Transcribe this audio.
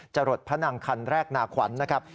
จรดพระนังคันแรกนาขวัญนะครับ